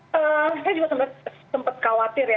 saya juga sempat khawatir ya